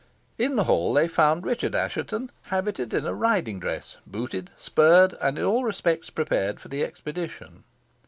In the hall they found Richard Assheton habited in a riding dress, booted, spurred, and in all respects prepared for the expedition.